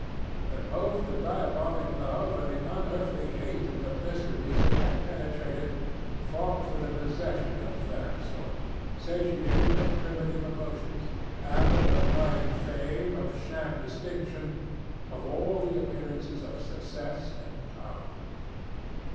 But both the diabolic love and the unearthly hate of the mysteries it had penetrated fought for the possession of that soul satiated with primitive emotions, avid of lying fame, of sham distinction, of all the appearances of success and power.